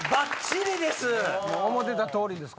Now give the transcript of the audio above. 思ってた通りですか？